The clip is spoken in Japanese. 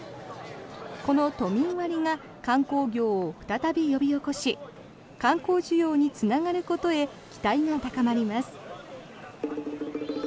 この都民割が観光業を再び呼び起こし観光需要につながることへ期待が高まります。